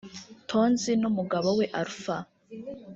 Tonzi n’umugabo we Alpha